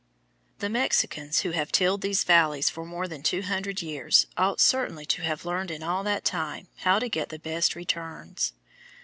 The Mexicans, who have tilled these valleys for more than two hundred years, ought certainly to have learned in all that time how to get the best returns.